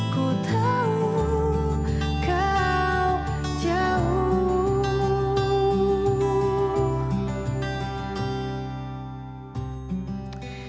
kutahu kau jauh